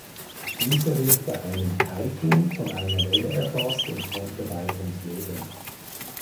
Dieser wird bei einem Taifun von einer Welle erfasst und kommt dabei ums Leben.